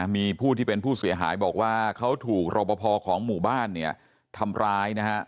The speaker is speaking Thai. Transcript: มีผู้ที่เป็นผู้เสียหายบอกว่าเขาถูกรอปภของหมู่บ้านเนี่ยทำร้ายนะฮะ